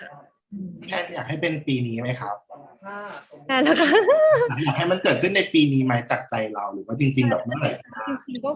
แพทย์อยากให้เป็นปีนี้ไหมครับอยากให้มันเกิดขึ้นในปีนี้ไหมจากใจเราหรือว่าจริงแบบเมื่อไหร่